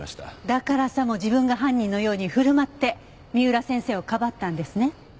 だからさも自分が犯人のように振る舞って三浦先生をかばったんですね。